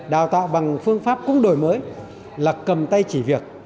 đào tạo bằng phương pháp cũng đổi mới là cầm tay chỉ việc